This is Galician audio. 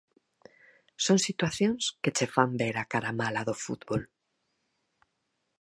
Son situacións que che fan ver a cara mala do fútbol.